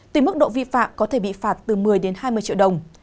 tùy mức độ vi phạm có thể bị phạt từ một mươi đến hai mươi triệu đồng